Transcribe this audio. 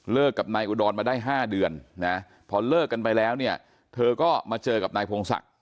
กับนายอุดรมาได้๕เดือนนะพอเลิกกันไปแล้วเนี่ยเธอก็มาเจอกับนายพงศักดิ